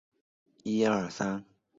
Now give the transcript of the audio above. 授长洲县知县。